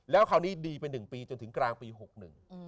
แล้วคราวนี้ดีไปหนึ่งปีจนถึงกลางปีหกหนึ่ง